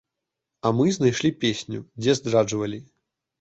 А мы знайшлі песню, дзе здраджвалі.